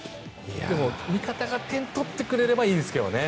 味方が点を取ってくれればいいですけどね。